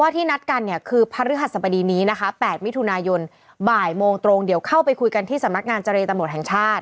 ที่สำนักงานเจรตำรวจแห่งชาติ